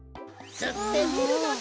すってみるのだ！